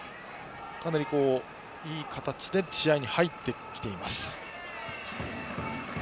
かなり、いい形で試合に入ってきています。